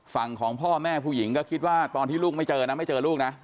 ฝั่งของพ่อแม่ผู้หญิงก็คิดว่าตอนที่ลูกไม่เจอนะไม่เจอลูกนะ